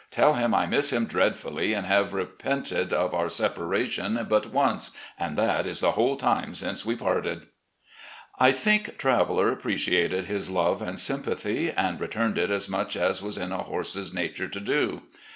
Tell him I miss him dreadfully, and have repented of ottr separation but once — and that is the whole time since we parted." I think Traveller appreciated his love and sympathy, and rettnned it as much as was in a horse's nature to do.